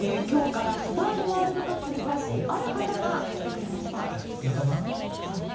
カタールワールドカップに詳しいある方が来てくれました。